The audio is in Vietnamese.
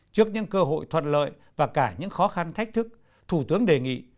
trước những cơ hội thuận lợi và cả những khó khăn thách thức thủ tướng đề nghị